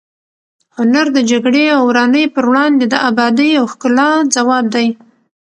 هنر د جګړې او ورانۍ پر وړاندې د ابادۍ او ښکلا ځواب دی.